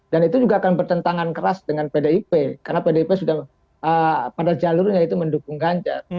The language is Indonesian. dan itu juga akan bertentangan keras dengan pdip karena pdip sudah pada jalurnya itu mendukung ganjar